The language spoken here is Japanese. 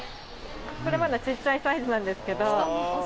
これまだ小っちゃいサイズなんですけど。